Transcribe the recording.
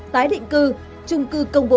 tái định cư chung cư công bộ